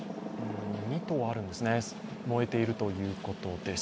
２棟あるんですね、燃えているということです。